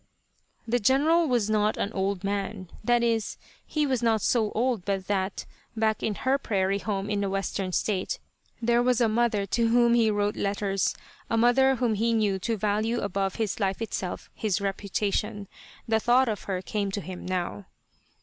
The General was not an old man; that is he was not so old but that, back in her prairie home in a western state, there was a mother to whom he wrote letters, a mother whom he knew to value above his life itself his reputation. The thought of her came to him now.